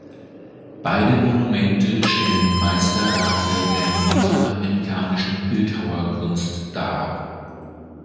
Beide Monumente stellen Meisterwerke der mesoamerikanischen Bildhauerkunst dar.